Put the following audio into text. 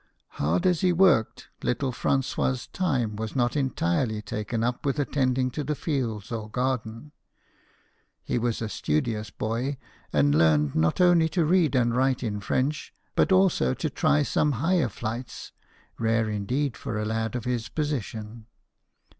Hard as he worked, little Frangois' time was not entirely taken up with attending to the fields or garden. He was a studious boy, and learned not only to read and write in French, but also to try some higher flights, rare indeed for a lad of his position.